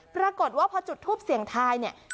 ปรากฏว่าพอจุดทูปเสียงทายเนี่ย